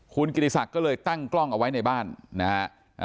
คุณกิติศักดิ์ก็เลยตั้งกล้องเอาไว้ในบ้านนะฮะ